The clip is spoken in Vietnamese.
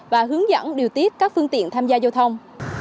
và hướng dẫn điều tiết các phương tiện tham gia giao thông